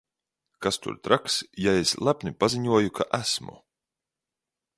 Kas tur traks, ja es lepni paziņoju, ka esmu?